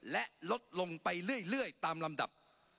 และลดลงไปเรื่อยตามลำดับ